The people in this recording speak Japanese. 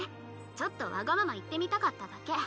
ちょっとわがまま言ってみたかっただけ。